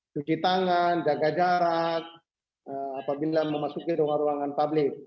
cuci tangan jaga jarak apabila memasuki ruang ruangan publik